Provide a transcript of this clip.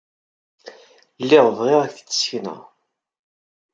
Lliɣ bɣiɣ ad ak-t-id-ssekneɣ.